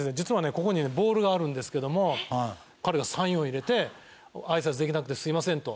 ここにねボールがあるんですけども彼がサインを入れて「あいさつできなくてすいません」と。